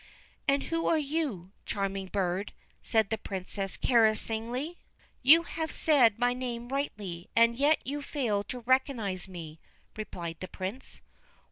'And who are you, charming bird?' said the Princess caressingly. ' You have said my name rightly, and yet you fail to recognise me,' replied the Prince.